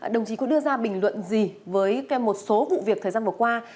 đồng chí có đưa ra bình luận gì với một số vụ việc thời gian vừa qua